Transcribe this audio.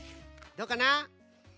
どうかな？